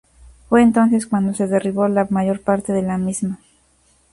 Fue entonces cuando se derribó la mayor parte de la misma.